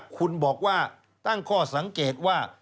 คุณบอกว่าตั้งข้อสังเกตว่า